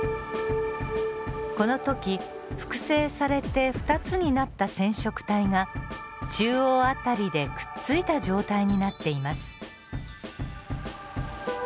この時複製されて２つになった染色体が中央辺りでくっついた状態になっています。